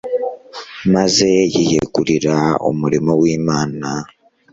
maze yiyegurira umurimo w'Imana.